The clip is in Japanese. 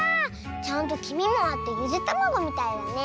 ちゃんときみもあってゆでたまごみたいだね。